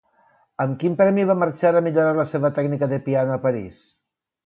Amb quin premi va marxar a millorar la seva tècnica de piano a París?